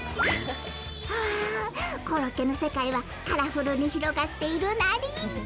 うーん、コロッケの世界はカラフルに広がっているナリ！